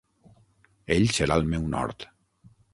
Ell serà el meu nord.